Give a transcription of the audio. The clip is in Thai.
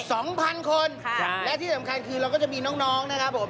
สองพันคนค่ะและที่สำคัญคือเราก็จะมีน้องน้องนะครับผม